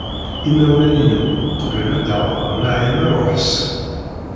Imawlan-inu qeblen ad aɣeɣ Naɛima u Ḥsen.